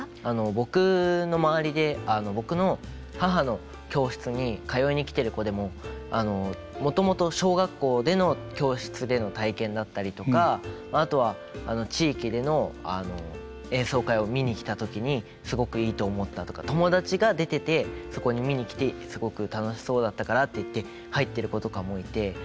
僕の周りで僕の母の教室に通いに来てる子でももともと小学校での教室での体験だったりとかあとは地域での演奏会を見に来た時にすごくいいと思ったとか友達が出ててそこに見に来てすごく楽しそうだったからっていって入ってる子とかもいて。